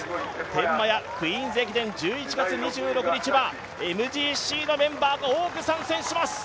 天満屋、クイーンズ駅伝１１月２６日はＭＧＣのメンバーが多く参戦します。